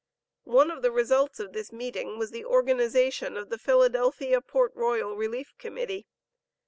One of the results of this meeting was the organization of the Philadelphia Port Royal Relief Committee.